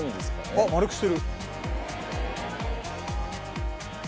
あっ丸くしてる！